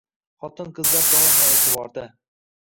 Xotin-qizlar doimo eʼtiborda